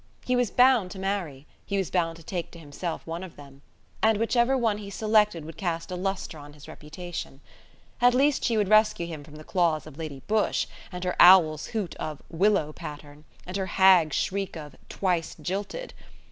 He was bound to marry: he was bound to take to himself one of them: and whichever one he selected would cast a lustre on his reputation. At least she would rescue him from the claws of Lady Busshe, and her owl's hoot of "Willow Pattern", and her hag's shriek of "twice jilted".